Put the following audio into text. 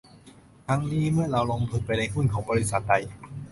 ทั้งนี้ เมื่อเราลงทุนไปในหุ้นของบริษัทใด